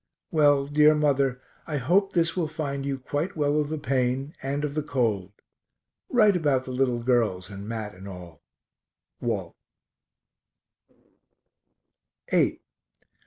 Well, dear mother, I hope this will find you quite well of the pain, and of the cold write about the little girls and Mat and all. WALT.